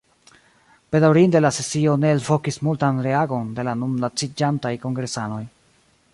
Bedaŭrinde la sesio ne elvokis multan reagon de la nun laciĝantaj kongresanoj.